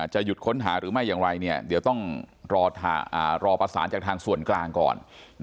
หยุดค้นหาหรือไม่อย่างไรเดี๋ยวต้องรอประสานจากทางส่วนกลางก่อน